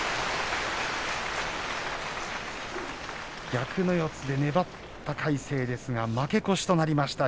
逆の四つで粘った魁聖ですけれども負け越しとなりました。